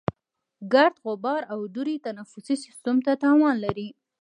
ګرد، غبار او دوړې تنفسي سیستم ته تاوان لري.